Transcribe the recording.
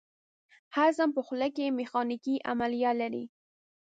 هضم په خوله کې میخانیکي عملیه لري.